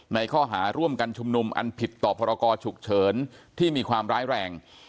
ในข้อหาร่วมกันชุมนุมอันผิดต่อพรกรฉุกเฉินที่มีความร้ายแรง